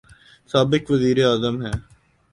سابق وزیر اعظم ہیں۔